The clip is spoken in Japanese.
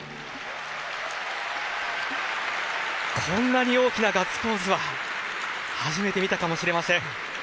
こんなに大きなガッツポーズは初めて見たかもしれません。